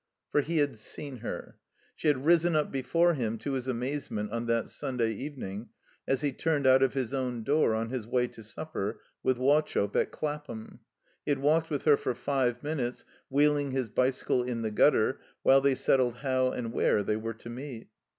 For he had seen her. She had risen up before him, to his amazement, on that Stmday evening, as he turned out of his own door on his way to supper with Wauchope at Clapham. He had walked with her for five minutes, wheeling his bicycle in the gutter, while they settled how and where they were to meet.